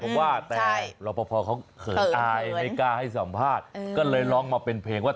ผมว่าแต่รอปภเขาเขินอายไม่กล้าให้สัมภาษณ์ก็เลยร้องมาเป็นเพลงว่า